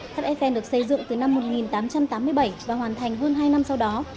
tháp eiffel được xây dựng từ năm một nghìn tám trăm tám mươi bảy và hoàn thành hơn hai năm sau đó